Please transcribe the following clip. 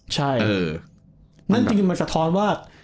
ใช่จริงมันสะท้อนว่า